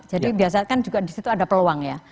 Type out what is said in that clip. jadi biasanya kan juga disitu ada peluang ya